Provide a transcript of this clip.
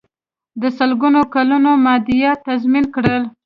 د سلګونو کلونو مادیات تضمین کړل.